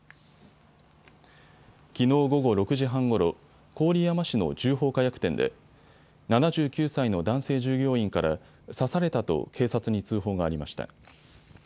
きのう午後６時半ごろ、郡山市の銃砲火薬店で７９歳の男性従業員から刺されたと警察に通報がありました。